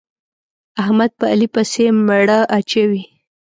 احمد په علي پسې مړه اچوي.